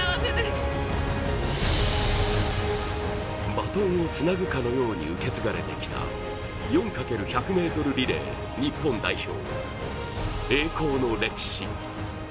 バトンをつなぐかのように受け継がれてきた４×１００ｍリレー日本代表、栄光の歴史。